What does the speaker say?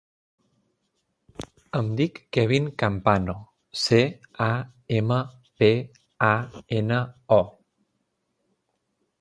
Em dic Kevin Campano: ce, a, ema, pe, a, ena, o.